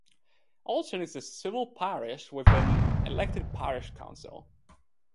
Alton is a civil parish with an elected parish council.